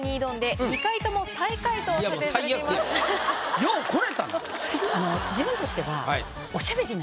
よう来れたな。